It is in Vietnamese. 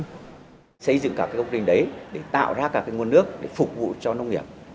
chúng tôi đã xây dựng các công trình đấy để tạo ra các nguồn nước để phục vụ cho nông nghiệp